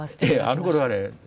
あのころはね